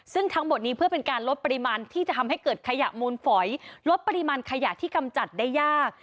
ซึ่งทั้งหมดนี้เพื่อเป็นการลดปริมาณที่จะทำให้เกิดขยะมูลฝอยลดปริมาณขยะที่กำจัดได้ยาก